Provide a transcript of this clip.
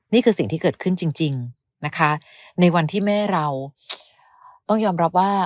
นี่คือสิ่งที่เกิดขึ้นจริงนะคะในวันที่แม่เราต้องยอมรับว่า